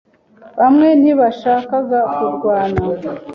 Bamwe ntibashakaga kurwana.